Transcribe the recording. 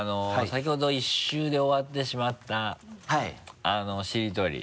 先ほど一周で終わってしまったしりとり。